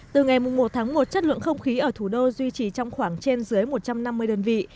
từ ngày một tháng một chất lượng không khí ở thủ đô duy trì trong khoảng trên dưới một trăm năm mươi đơn vị